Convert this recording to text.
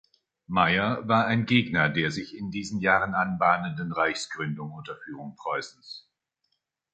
Mayer war ein Gegner der sich in diesen Jahren anbahnenden Reichsgründung unter Führung Preußens.